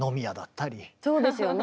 そうですよね。